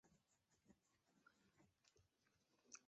公民广场随即成为公民示威的象征。